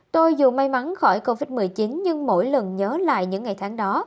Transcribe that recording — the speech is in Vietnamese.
tôi dù may mắn khỏi covid một mươi chín nhưng mỗi lần nhớ lại những ngày tháng đó